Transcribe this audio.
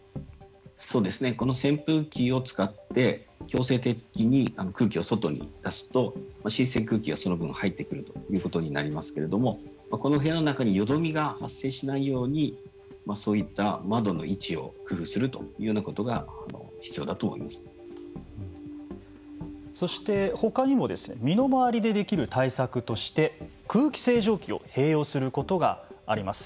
この扇風機を使って強制的に空気を外に出すと新鮮な空気がその分入ってくるということになりますけどこの部屋の中によどみが発生しないようにそういった窓の位置を工夫するというようなことがそしてほかにも身の回りでできる対策として空気清浄機を併用することがあります。